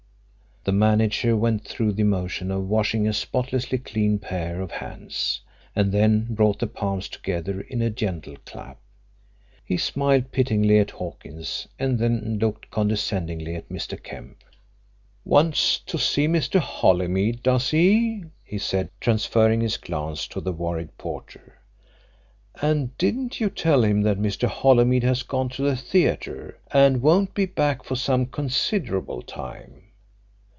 The manager went through the motion of washing a spotlessly clean pair of hands, and then brought the palms together in a gentle clap. He smiled pityingly at Hawkins and then looked condescendingly at Mr. Kemp. "Wants to see Mr. Holymead, does he?" he said, transferring his glance to the worried porter. "And didn't you tell him that Mr. Holymead has gone to the theatre and won't be back for some considerable time?"